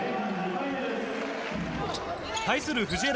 対する藤枝